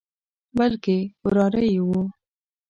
بلکې وراره یې وو.